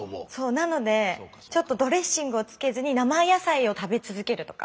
なのでちょっとドレッシングをつけずに生野菜を食べ続けるとか。